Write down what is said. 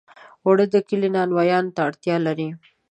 اوړه د کلي نانوایۍ ته اړتیا لري